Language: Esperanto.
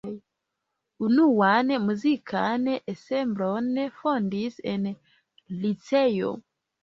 Unuan muzikan ensemblon fondis en liceo.